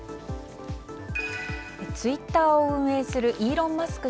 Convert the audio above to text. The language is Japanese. ツイッターを運営するイーロン・マスク